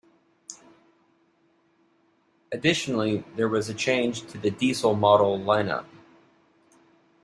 Additionally there was a change to the diesel model lineup.